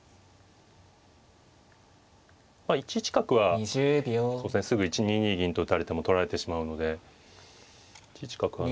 １一角はすぐ１二に銀と打たれても取られてしまうので１一角はないですが。